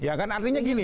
ya kan artinya gini